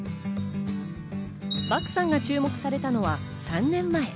漠さんが注目されたのは３年前。